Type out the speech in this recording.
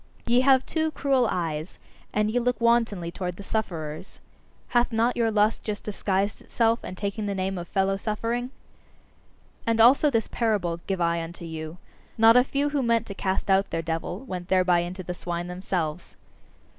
Ye have too cruel eyes, and ye look wantonly towards the sufferers. Hath not your lust just disguised itself and taken the name of fellow suffering? And also this parable give I unto you: Not a few who meant to cast out their devil, went thereby into the swine themselves.